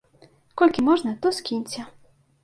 Колькі можна то скіньце!